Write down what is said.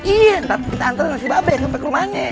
iya ntar kita antar si babe sampai ke rumahnya